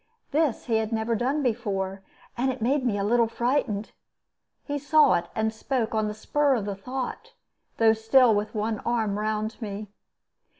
This he had never done before, and it made me a little frightened. He saw it, and spoke on the spur of the thought, though still with one arm round me.